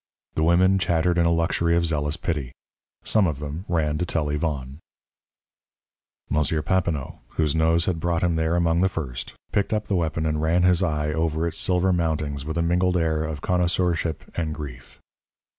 The women chattered in a luxury of zealous pity. Some of them ran to tell Yvonne. M. Papineau, whose nose had brought him there among the first, picked up the weapon and ran his eye over its silver mountings with a mingled air of connoisseurship and grief.